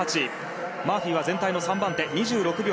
マーフィーは全体の３番手２６秒９９。